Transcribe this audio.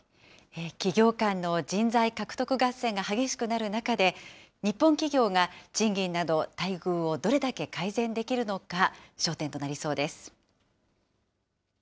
企業間の人材獲得合戦が激しくなる中で、日本企業が賃金など、待遇をどれだけ改善できるのか、焦点となりそうです。